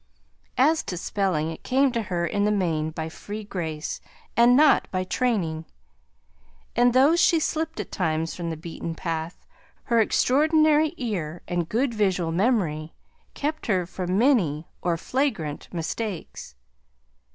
As to spelling, it came to her in the main by free grace, and not by training, and though she slipped at times from the beaten path, her extraordinary ear and good visual memory kept her from many or flagrant mistakes.